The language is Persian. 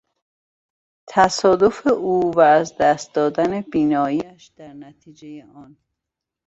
تصادف او و از دست دادن بینائیش در نتیجهی آن